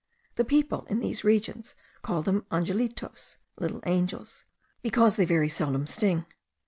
The people, in these regions, call them angelitos (little angels), because they very seldom sting.